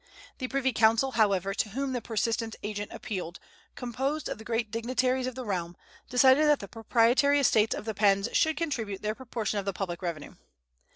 The Privy Council, however, to whom the persistent agent appealed, composed of the great dignitaries of the realm, decided that the proprietary estates of the Penns should contribute their proportion of the public revenue.